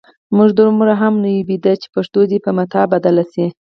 موږ دومره هم نه یو ویده چې پښتو دې په متاع بدله شي.